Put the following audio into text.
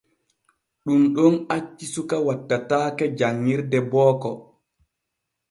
Ɗun ɗon acci suka wattataake janƞirde booko.